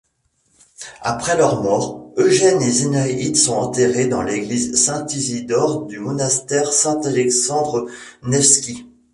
Après leur mort, Eugène et Zénaïde sont enterrés dans l'église Saint-Isidore du monastère Saint-Alexandre-Nevski.